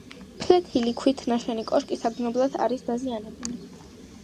ფლეთილი ქვით ნაშენი კოშკი საგრძნობლად არის დაზიანებული.